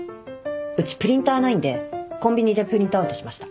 うちプリンターないんでコンビニでプリントアウトしました。